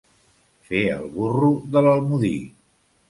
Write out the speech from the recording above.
Fer el burro de l'Almodí.